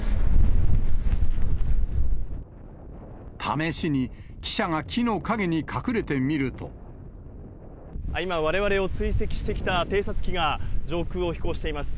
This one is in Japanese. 試しに、今、われわれを追跡してきた偵察機が、上空を飛行しています。